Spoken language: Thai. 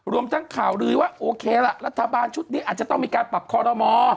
รวมทั้งข่าวลือว่าโอเคล่ะรัฐบาลชุดนี้อาจจะต้องมีการปรับคอรมอ